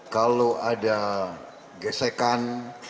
kalau ada gesekan